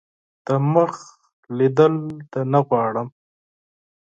دمخ لیدل دي نه غواړم .